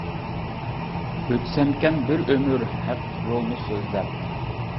ئۆتسەمكەن بىر ئۆمۈر ھەق يولنى سۆزلەپ.